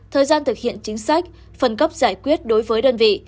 thời gian thực hiện chính sách phần cấp giải quyết đối với đơn vị